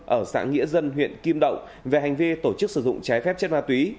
ở xã nghĩa dân huyện kim động về hành vi tổ chức sử dụng trái phép chất ma túy